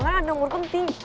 karena ada umur penting